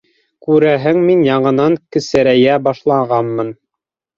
—Күрәһең, мин яңынан кесерәйә башлағанмын.